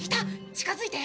近づいて！